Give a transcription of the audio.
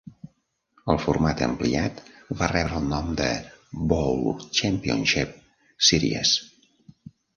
El format ampliat va rebre el nom de Bowl Championship Series.